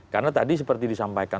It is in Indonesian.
karena tadi seperti disampaikan